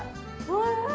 おいしい。